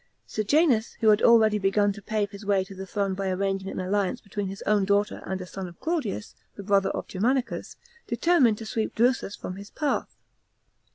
Sejanus, who had already begun to pave his way to the throne by arranging an alliance between his own daughter and a son of Claudius, the brother of Germanicus, determined to sweep Drusus from his path.